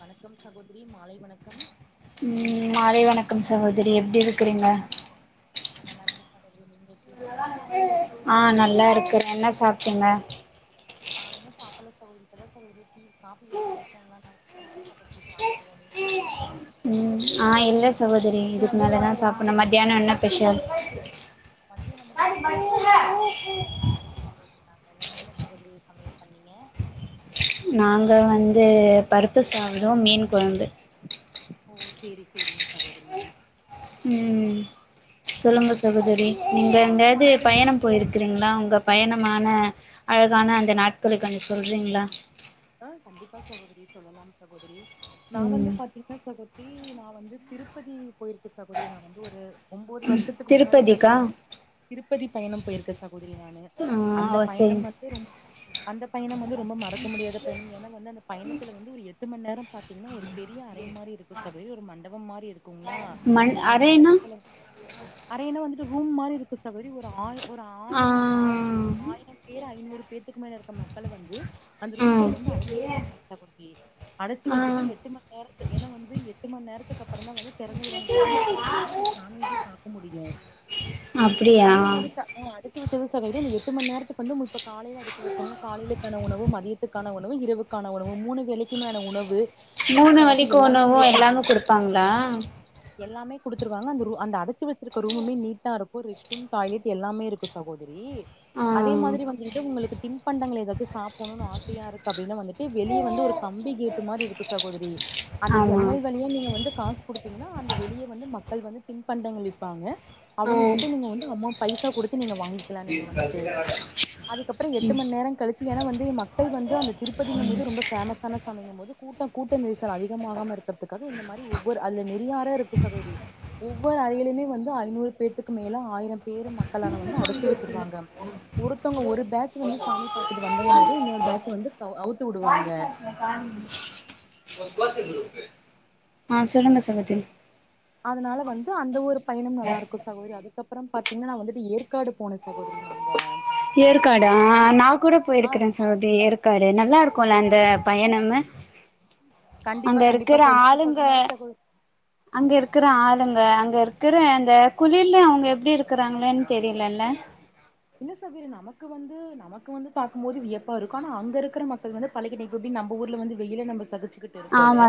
வணக்கம் சகோதரி மாலை வணக்கம். ம் மாலை வணக்கம் சகோதரி எப்டி இருக்றீங்க? நா நல்லாருக்கே சகோதரி நீங்க எப்டி இருக்கீங்க? ஆ நல்லாருக்குற. என்ன சாப்டிங்க? நா இன்னு சாப்பல்ல சகோதரி இப்பதா சகோதரி டீ காஃபி வெச்சு குடிச்சங்ளா நா [inaudible] சகோதரி சாப்புடுவோ நீங் சாப் டிங்ளா? ம் ஆ இல்ல சகோதரி இதுக்கு மேலதா சாப்பன்னு மத்தியானோ என்ன பெஷல்? மதியோ வந்துட்டு பாத்திங்ன்னா கேரட் பீன்ஸ் சாம்பார் வெச்சி ரசோ [inaudible] சகோதரி நாங்க. நீங்க என்ன சகோதரி சமையல் பண்ணீங்க? நாங்க வந்து பருப்பு சாதோ மீன் கொழம்பு. ஓ சேரி சேரிங்க சகோதரி. ம் ம் சொல்லுங்க சகோதரி. நீங்க எங்காவ்து பயணம் போயிருக்கிறீங்களா உங்க பயணமான அழகான அந்த நாட்கள கொஞ்சோ சொல்றீங்ளா? ஆ கண்டிப்பா சகோதரி சொல்லலாம் சகோதரி நா வந்து ம் பாத்தீங்ன்னா சகோ தரி நா வந்து திருப்பதி போயிருக்கே சகோதரி நா வந்து ஒரு ஒம்போது வர்ஷத்துக்கு முன்னாடி திருப்பதிக்கா பாத்தீங்ன்னா திருப்பதி பயணம் போயிருக்கே சகோதரி நானு. ஆ அந்த ஓ பயணம் சரிங்க வ ந்ட்டு ரொம்போ அந்த பயணம் வந்து ரொம்ப மறக்க முடியாத பயணம் ஏனா வந்து அந்த பயணத்துல வந்து ஒரு எட் டு மண் நேரம் பாத்தீங்ன்னா ஒரு பெரிய அறை மாரி இருக்கு சகோதரி ஒரு மண்டபம் மாரி இருக்குங்ளா. மண் அந்த அறைனா மண்டபத்துல அறைனா வந்துட்டு ரூம் மாரி இருக்கு சகோதரி ஒரு ஆளு ஒரு ஆ ஆயிரம் ஆயிர ஆயிரம் பேர் ஐநூறு பேத்துக்கு மேல இருக்க மக்கள வந்து அந்த ஆ ரூம் ல அட [inaudible] [unintelligible] அடச்சி வெச்சுட்டு ஆ எட்டு மண் நேரத்து ஏனா வந்து எட்டு மண் நேரத்துக்கு அப்புறந்தா வந்து தெறந்து விடாம தெறந்து விட்டதுக்கப்புறந்தா நம்ம சாமியவே பாக்க முடியு. அப்டியா அதே மாரி சா உ அடச்சு வெச்சத சொன்னீகள் நீ எட்டு மண் நேரத்துக்கு வந்து உங்குள் இப்ப காலைல அடச்சு வெச்சாங்னா காலைலிக்கான உணவு மதியத் துக்கான உணவு இரவுக்கான உணவு மூணு வேலைக்குமான உணவு டீ மூணு காஃபி வேலைக்கு எல்லாமே உணவு எங்களுக்கு எல்லாமே குடுத்துருவாங்க குடுப்பாங்ளா? எல்லாமே குடுத்துருவாங்க அந்த ரு அடைச்சு வெச்சிருக்க ரூமுமே நீட்டா இருக்கு ரெஸ்ட்டூம் டாய்லெட் எல்லாமே இருக்கு ஸ் சகோதரி ஆ அதே மாரி வந்து இது உங்குளுக்கு தின்பண்டங்கள் எதாச்சு சாப்புணுனு ஆச சையா இருக்கு அப்டின்னா வந்துட்டு வெளிய வந்து ஒரு கம்பி கேட்டு மாரி இருக்கு சகோதரி அந்த ஆமா ஜன்னல் வழியா நீங்க வந்து காசு குடுத்தீங்கன்னா அந்த வெளிய வந்து மக்கள் வந்து தின்பண்டங்கள் விப்பாங்க. ஆ அவுங்க கிட்ட நீங்க வந்து அமௌ பைசா குடுத்து நீங்க வாங்கி க்லா நீங்க வந்துட்டு அதுக்கப்புறோ எட்டு ம் மண் நேரோ கழிச்சு ஏனா வந்து ம க்கள் வந்து அந்த திருப்பதிங்கும் போது ரொம்ப ஃபேமஸ்சான சாமிங்கம் போது கூட்டோ கூட்ட நெரிசல் அதிகமாகாம இரு க்கர்த்துக்காக இந்த மாரி ஒவ்வொரு அதுல நெறியா அற இருக்கு சகோதரி. ஒவ்வொரு அறையிலயுமே வந்து ஐநூறு பேத்துக்கு மேல ஆயிரம் பேரு மக்களான வந்து அடைச்சு வச்சிருவாங்க ஒருத்தவங்க ஒரு பேட்ச் வந்து சாமி பாத்துட்டு வந்தோனே ஏத இன்னொரு பேட்ச வந்து அவு அவுத்து விடுவாங்க [unintelligible] ஆ சொல்லுங்க ஸ் தாங்க அதனால வந்து அந்த ஒரு பயணும் நல்லா இருக்கு சகோதரி அதுக்கப்புறம் பாத்தீங்கன்னா நா வந்துட்டு ஏற்காடு போனே சகோதரி அங்க ஏற்காடா நா கூட போயிருக்கறேன் ஸ் அது ஏற்காடு நல்லா இருக்குல அந்த பயணமு கண்டிப்பா அங்க கண்டிப்பா இருக்கிற சார் நீங்க ஆளுங்க சொல்ற மாரி சகோதரி அங்க இருக்கிற ஆளுங்க அங்க இருக்கிற அந்த குளர்ல அவங்க எப்டி இருக்கிறாங்களேன்னு தெரியலல்ல என்ன சகோதரி நமக்கு வந்து நமக்கு வந்து பாக்கும்போது வியப்பா இருக்கு ஆனா அங்க இருக்கிற மக்கள் வந்து பழகிடே இப்ப எப்டி நம்ப ஊர்ல வந்து வெயில நம்ம சகிச்சிக்கிட்டு இருக்கோல ஆமா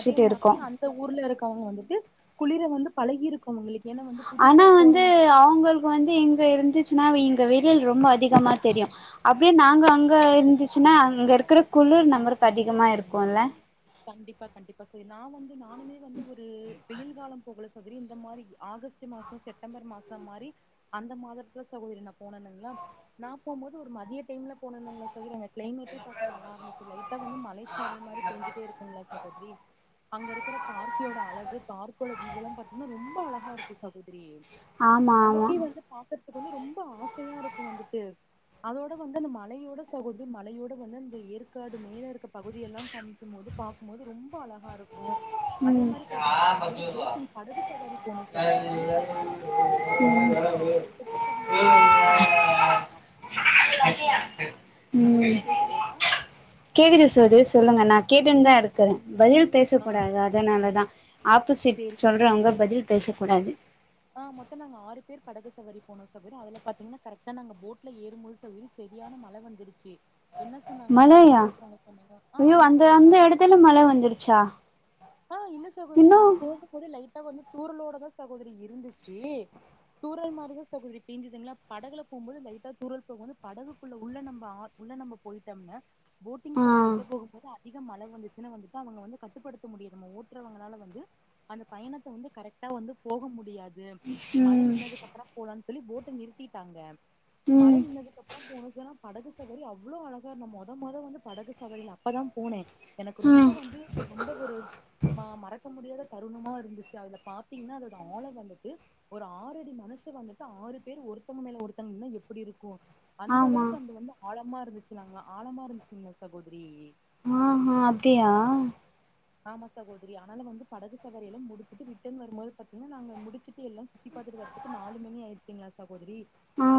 அதே இருக்கோ மாதிரி அந் அந்த ஊர்ல இருக்கவங்க வந்துட்டு குளிர வந்து பழகி இருக்க முடில ஏனா வந்து புதுசா போறவங்க து அவுங்களுக்கு வந்து இங்க இருந்துச்சுன்னா வெ இங்க வெயில் ரொம்ப அதிகமா தெரியு அப் அப்டியே நாங்க அங்க இருந்துச்சுன்னா அங்க இருக்கிற குளிர் நம்பருக்கு அதிகமா இருக்கும்ல கண்டிப்பா கண்டிப்பா சேரி நா வந்து நானுமே வந்து ஒரு வெயில் காலம் போகல சகோதரி இந்த மாரி ஆகஸ்ட் மாஸ் செப்டம்பர் மாசம் மாரி அந்த மாதத்துல சகோதரி நா போன இல்லங்களா. நா போம்போது ஒரு மதிய டைம்ல போனனுங்களா சகோ கிளைமேட்டே பாக்க நல்லா இருந்துச்சு லைட்டா வந்து மலைச்சாரல் மாரி பெஞ்சுட்டே இருக்குங்ளா சகோதரி. அங்க இருக்கிற பார்க்கியோட அழகு பார்க்கோட வியூவெல்லாம் பாத்தீங்கன்னா ரொம்ப அழகா இருக்கு சகோதரி ஆமா ஆமா நமக்கே வந்து பாக்குறதுக்கு வந்து ரொம்ப ஆசையா இருக்கும் வந்துட்டு அதோட வந்து அந்த மழையோட சகோதி மழையோட வந்து அந்த ஏற்காடு மேலே இருக்க பகுதிய எல்லாம் காமிக்கும் போது பாக்கும்போது ரொம்ப அழகா இருக்கு அதே ம் மாரி பாத்தீங்கன்னா நாங்க வந்து போட்டிங் படகு சவாரி போனோம் சகோதரி படகு சவாரில வந்து ஆறு சின்ன பசங்களுக்கு பயணம் போக முடிச்சுட்டே ஆ சகோதரி ம் கேக்குதுங்களா கேக்குது சகோதரி சொல்லுங்க நா கேட்டுன்னு தா இருக்கறே பதில் பேசப் ஆ போறே அது அதுனாலதா ஆப்போசிட் சேரிங்க சொல்றவங்க பதில் பேசக் கூடாது ஆ மொத்த நாங்க ஆறு பேர் படகு சவாரி போனோம சகோதரி அதுல பாத்தீங்கன்னா கரெக்டா நாங்க போட்டுல ஏறும்போது சகோதரி சரியான மழ வந்துருச்சு என்ன சொன்னாங்கன்னா படகு மழையா ஓட்டுறவங்க சொன்னாங்க ஆ ஐயோ ஆமா அந்த சகோதரி அந்த நா எடத்துல மழ வந்துருச்சா ஆ இல்ல சகோதரி இன்னு நா போகும்போது லைட்டா வந்து தூரலோட தா சகோதரி இருந்துச்சு தூரல் மாறி தா சகோதரி பெஞ்சிதுங்களா படகுல போம் போது லைட்ட தூறல் போம் போது படகுக்குள்ள உள்ள நம்ப ஆ உள்ள நம்ம போயிட்டோம்ன போட்டிங் ஆ சவாரி உள்ள போகும் போது அதிக மழ வந்துச்சன்னு வந்துட்டு அவுங்க வந்து கட்டுப்படுத் து முடியது நம்ம ஓட்டுறவங்களால வந்து அந்த பயணத்த வந்து கரெக்டா வந்து போக முடியாது இதம் மழ ம் நின்னதுக்கு அப்புற போலானு சொல்லி போட்ட நிறுத்திட்டாங்க மழ ம் நின்னதுக்கப் அப்பற போனசேனா படகு சவாரி அவ்ளோ அழகா இருந்த மொத மொத வந்து படகு சவாரில அப்பதா போனே எனக்கு ரொம்ப ம் வந்து ரொம்ப ஒரு ம மறக்க முடியாத தருணமா இருந்துச்சு அதுல பாத்தீங்ன்னா அதோட ஆழங்கள் வந்து ஒரு ஆறு அடி மனுஷன் வந்துட்டு ஆறு பேர் ஒருத்தவங்க மேல ஒருத்தங்க நின்னா எப்டி இருக்கு அந்த ஆமா அளவுக்கு அந்த வந்து ஆழமா இருந்துச்சுனாங்களா ஆழமா இருந்துச்சுங்களா சகோதரி ஆ ஹ அப்டியா ஆமா சகோதரி ஆனால வந்து படகு சவாரி ல்லா முடிச்சட்டு ரிட்டன் வரும்போது பாத்தீங்கன்னா நாங்க முடிச்சுட்டு எல்லா பாரத்துட்டு வரதுக்கு நாலு மணி ஆயிருசிங்களா சகோதரி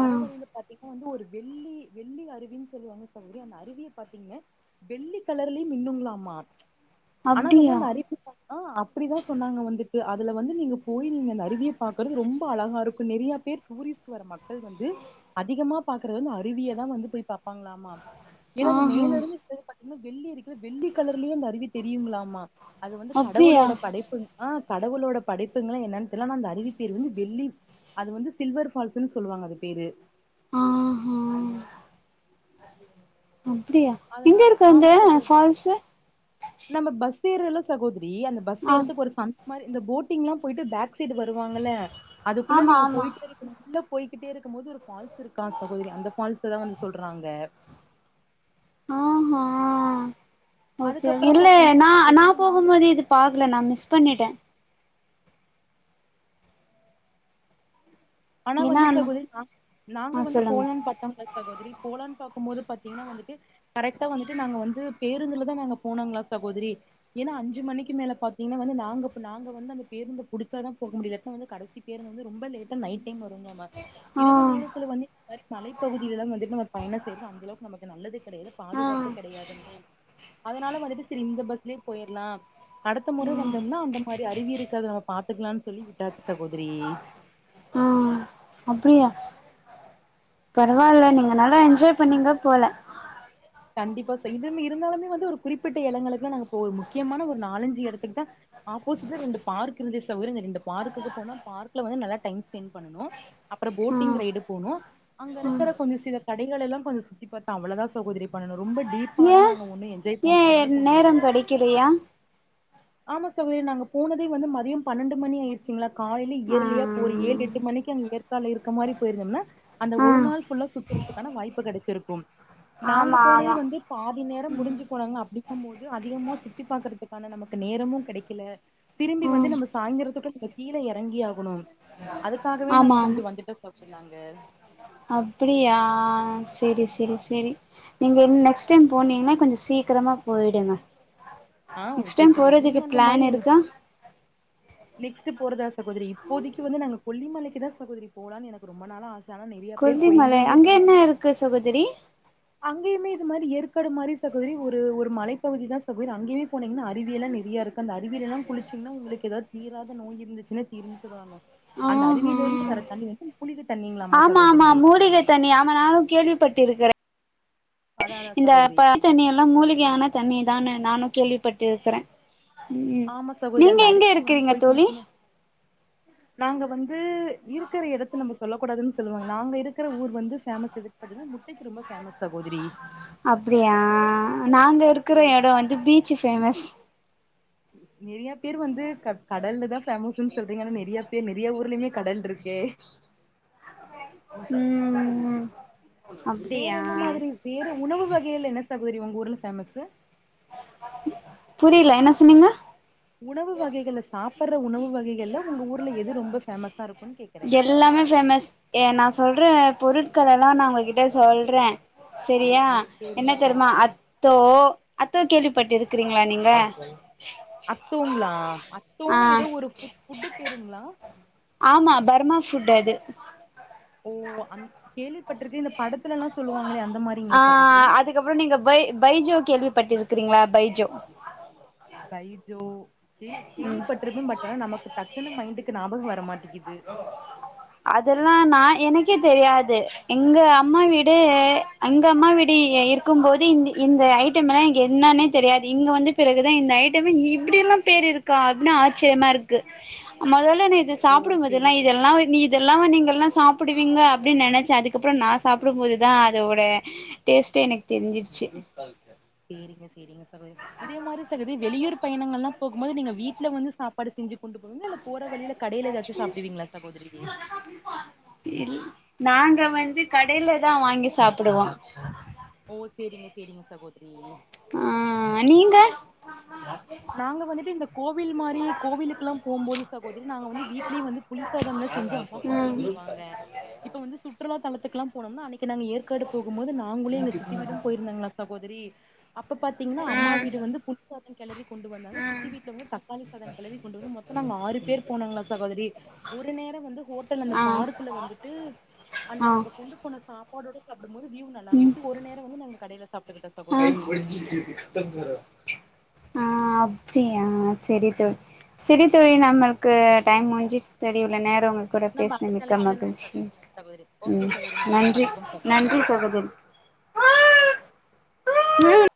வர வழியில பாத்தீங்கன வந்து ஒரு வெள்ளி வெள்ளி அருவின்னு சொல்லுவாங்க சகோதரி அந்த அருவியை பாத்தீங்க வெள்ளி கலர்லயு மின்னுங்களாமா ஆனா வந்து அப்டியா அந்த அருவி ஆ அப்டிதா சொன்னாங்க வந்துட்டு அதுல வந்து நீங்க போய் நீங்க அருவியை பாக்றது ரொம்ப அழகா இருக்கு நிறையா பேர் டுரிஸ்ட்க்கு வர மக்கள் வந்து அதிகமா பாக்றது வந்து அருவியதா வந்து போய் பாப்பாங்களாமா ஏன்னா அது ஆஹா மேல இருந்துங்கன்னா வெள்ளி அக்கிற வெள்ளி கலர்லயே அந்த அருவி தெரியுங்களாமா மா அது வந்து அப்டியா கடவுளோட படைப்பு ஆ கடவுளோட படைப்புங்களான்னு என்னெனு தெர்ல ந அந்த அறிவி பெயர் வந்து வெள்ளி அது வந்து சில்வர் ஃபால்ஸ்ன்னு சொல்லுவாங்க அது பேரு ஆ ஆ அப்டியா அதனா எங்க இருக்கு அந்த ஆமா சகோதரி ஃபால்ஸ்சு நம்ம பஸ் ஏறோம்ல சகோதரி அந்த பஸ் ஆ ஏறதுக்கு ஒரு சந் பாரு இந்த போட்டிங்ல்லா போயிட்டு பேக் சைடு வருவாங்கல்ல அதுக்குள்ள ஆமா நீங்க ஆமா போயிட்டு உள்ள போய்கிட்டே இருக்கு போது ஒரு ஃபால்ஸ் இருக்கா சகோதரி அந்த ஃபால்ஸ் தா வந்து சொல்றாங்க ஆமா ஓகே அதுக்கப்புறம் இல்ல பாத்தீங்கன்னா நா நா சகோதரி நாங்க போகுபோது இது பாக்கல நா மிஸ் பண்ணிடேன் ஆனா ஏன்னா வந்து சகோதரி நாங்க ஆ வந்து சொல்லுங்க போல்லாந்து பாத்தா சகோதரி போலான் பாக்குபோது பாத்தீங்கன்னா வந்துட்டு கரெக்டா வந்துட்டு நாங்க வந்து பேருந்துல தா நாங்க போனாங்களா சகோதரி ஏன்னா அஞ்சு மணிக்கு மேல பாத்தீங்கன்னா. வந்து நாங்க நாங்க வந்து அந்த பேருந்த பிடிச்ச தா போக முடிய வந்து கடைசி பேருந்து ரொம்ப லேட்டா நைட் டைம் வரும ஆ இரவு நேரத்தில்ல வலி இந்தமாரி மலைப்பகுதியில எல்லா வந்துட்டு நம்ம பயணோ செய்யறல அந்த அளவுக்கு நமக்கு நல்லது கிடையாது ஆ பாதுகாப்பு கிடையாதுங்களே அதுனால வந்துட்டு சரி இந்த பஸ்லே போயிடலாம் அடுத்த முறை ம் வந்தோம்னா அந்த மாதிரி அறிவி இருக்காது நம்ம பாத்துக்கலாம்னு சொல்லி விட்டாச்சி சகோதரியே அப்படியா பரவாயில்ல நீங்க நால்லா என்ஜாய் பண்ணீங்க போல கண்டிப்பா செயதுமே இருந்தாலுமே வந்து ஒரு குறிப்பிட்ட இடங்களுக்குல்லா நாங்க போல முக்கியமான ஒரு நாலஞ்சு இடத்துக்கு தா ஆப்போசிட்ல ரெண்டு பார்க் இருந்த சவுரிம் பார்குக்கு போன பார்க்ல வந்து நல்லா டைம் ஸ்பெண்ட் பண்னோ அப்றோ ஆ போட்டிங் ரைடு போனோ அங்க ம் இருக்கிற கொஞ்ச சில கடைகல்லா கொஞ்சோ சுத்தி பாத்தோ அவ்ளதா சகோதிரி பண்ணணு ரொம்ப டீப்பாலா ஏ நாங்க ஒண்ணு என்ஜாய் ஏ பண்ற மேலக்கு ஒண்ணு இல்ல நேரம் கெடைக்கலையா ஆமா சௌரி நாங்க போனதே வந்து மதியோ பன்னெண்டு மணி ஆயிடுச் ங்களா காலில ஆ இர்லியா ஒரு ஏழு எட்டு மணிக்கு அங்க ஏற்கால இருக்க மாதிரி போயிருங்கன்னா அந்த ஒரு ஆ நாள் ஃபுல்லா சுத்துறதுக்கான வாய்ப்பு கிடைச்சிருக்கு நாங்க ஆமா போனதே ஆமா வந்து பாதி நேரோ ம் முடிஞ்சு போனாங்க அப்படி போது அதிகமா சுத்தி பாக்குறதுக்கான நமக்கு நேரமு கிடைக்கல திரும்பி வந்து ம் நம்ம சாய்ந்தரத்துக்கு நம்ம கீழே இறங்கி ஆகணும் அதுக்காகவே நாங்க கொஞ்சோ வந்துட்டு சகோதரி நாங்க அப்புடியா சேரி சேரி சேரி நீங்க ன்ன நெக்ஸ்ட் டைம் போனீங்கன்னா கொஞ்சோ சீக்கிரமா போயிடுங்க ஆ நெக்ஸ்ட் ஓகே டைம் சகோதரி போறதுக்கு நீங்க அந்த மாரி பிளான் இருக்க நெக்ஸ்ட் போறதா சகோதரி இப்போதக்கு வந்து நாங்க கொல்லி மாலைக்கு தா சகோதரி போலான்னு எனக்கு ரொம்ப நாள ஆச ஆனா நிறைய பேர் போய் இங்க ஊர்ல இருந்து க்கு சகோதரி அங்கயுமே இது மாரி ஏற்காடு மாரி சகோதரி ஒரு ஒரு மலைப்பகுதி தா சகோதரி அங்கயுமே போனீங்கன்ன அருவி எல்லாம் நெறையா இருக்கு அந்த அருவிலலா எல்லா குளிச்சிங்கனா உங்களுக்கு ஏதாவது தீராத நோய் இருந்துச்சுன்னா தீருன்னு சொல்லுவாங்க அந்த ஆஹா அருவியில இருந்து வர தண்ணி வந்து மூலிக தண்ணீங்ளாமா ஆமா ஆமா சகோதரி மூலிகை தண்ணி ஆமா நானு கேள்விப்பட்டிருக்கிறே அதா அதா இந்த சகோதரி ப தண்ணியெல்லா மூலிகையான தண்ணி தான்னு நானும் கேள்விப்பட்டு இருக்குறேன் ம் ஆமா சகோதரி நீங்க அந்த எங்க அருவிக்கு வந்து இருக்கிறீங்க போய் தோழி குளிக்கணு நாங்க வந்து இருக்குற எடத்த நம்ப சொல்லக்கூடாதுன்னு சொல்லுவாங்க நாங்க இருக்குற ஊர் வந்து பேமஸ் துக்கு பாத்தீங்கன்னா முட்டைக்கு ரொம்ப ஃபேமஸ் சகோதரி அப்டியா நாங்க இருக்கிற பேரு எடோ வந்து பீச்சு ஃபேமஸ் நெறிய பேர் வந்து க கடல்ல தா ஃபேமஸ்ன்னு சொல்றீங்க ஆனா நெறைய பேர் நெறைய ஊர்லயுமே கடல் இருக்கே ம் வேற அப்டியா என்ன மாதிரி வேற உணவு வகையல என்ன சகோதரி உங்க ஊர்ல ஃபேமஸ்சு புரில என்ன சொன்னீங்க உணவு வகைகள்ல சாப்ட்ற உணவு வகைகள்ல உங்க ஊர்ல எது ரொம்ப ஃபேமஸா இருக்கும் எல்லாமே ஃபேமஸ் ஏ நா சொல்ற பொருட்களெல்லாம் நா ஒங்ககிட்ட சொல்றேன் சரியா சேரிங்க என்ன சேரி தெருமா அத்தோ அத்தோ கேள்விப்பட்டு இருக்கிறீங்களா நீங்க அத்தோங்களா ஆ அத்தோன்னு ஏதோ ஒரு ஃபு ஃபுட்டு பேருங்களா ஆமா பர்மா ஃபுட் அது ஓ அன் கேள்விப்பட்டிருக்கு இந்த படத்துல எல்லாம் சொல்லுவாங்களே அந்த மாரிங்களா சகோதரி அதுக்கப்புறம் நீங்க பை பைஜோ கேள்விப்பட்டுருக்கிறீங்களா பைஜோ பைஜோ கேளிவ் கேள்விப்பட்டிருப்ப பட் ஆனா நமக் டக்குன்னு மைண்டுக்கு ஞாபகம் வரமாட்டிக்கிது அதெல்லா நான் எனக்கே தெரியாது எங்க அம்மா வீடு அங்க அம்மா வீடு இருக்கும்போது இந் இந்த ஐட்டம் எல்லாம் எனக் என்னானே தெரியாது இங்க வந்து பிறகுதான் இந்த ஐட்டம்மே இப்டி எல்லாம் பேர் இருக்கா அப்டின் ஆச்சரியமா இருக்கு முதல்ல இது ஓ ப்புடுபோதெல்லா சேரி சேரி இதெல்லா நீ இதெல்லாமா நீங்க எல்லாம் சாப்புடுவீங்க அப்டின்னு நெனச்சே அதுக்கப்புறம் நா சாப்டும்போதுதா அதோட டேஸ்டே எனக்கு தெரிஞ்சிர்ச்சு சேரிங்க சேரிங்க ச கோதரி இதே மாரி சகதி வெளியூர் பயணங்கள் எல்லா போகும்போது நீங்க வீட்டுல வந்து சாப்பாடு செஞ்சுப் கொண்டு போவீங்களா இல்ல போற வழியில கடையில எதாச்சு சாப்புடுவீங்களா சகோதரி இல் நாங்க வந்து கடையில தான் வாங்கி சாப்புடுவோ ஓ சேரிங்க சேரிங்க சகோதரி ஆன் நீங்க நாங்க வந்துட்டு இந்த கோவில் மாரி கோவிலுக்குலா போம்போது சகோதரி நாங்க வந்து வீட்லயே வந்து புளிசாதம்லா செஞ்சு அம்மா கொண்டு வந்துருவாங்க இப்போ வந்து சுற்றுலா தலத்துக்கெல்லா போனம்னா அன்னைக்கு நாங்க ஏற்காடு போகும் போது நாங்களு எங்க சித்தி விடும் போயிருந்தங்களா சகோதரி அப்ப பாத்தீங்னா ஆ அம்மா வீடு வந்து புளிசாதம் கெளறி கொண்டு வந்தாங்க ஆ சித்தி வீட்ல வந்து தக்காளி சாதம் கெளறி கொண்டு வந்து மொத்தோ நாங்க ஆறு பேர் போனோங்களா சகோதரி ஒரு நேரோ வந்து ஹோட்டல் அந்த ஆ பார்க்குல வந்துட்டு அந்த ஆ நம்ம கொண்டு போன சாப்பாடோட சாப்டும்போது வ்யூ நல்லா இருந்துச்சு ஒரு நேரம் வந்து நாங்க கடைல சாப்டுகிட்டோம் ஆன் ஆன் அப்டியா செரி தோ செரி தோழி நம்மளுக்கு டைம் முடிஞ்சுச்சு தோழி இவ்ளோ நேரம் கூட நம்ம அடுத்த பேசினதுக்கு அழைப்புல நம்ம மகிழ்ச்சி சந்திக்கலா சகோதரி ஓகே ம் சகோதரி நன்றி வணக்கம் சகோதரி நன்றி சகோதரி. [inaudible]